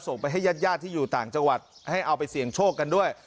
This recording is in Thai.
ไปให้ญาติญาติที่อยู่ต่างจังหวัดให้เอาไปเสี่ยงโชคกันด้วย